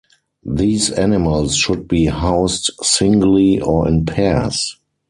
These animals should be housed singly or in pairs.